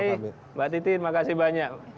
mbak titi terima kasih banyak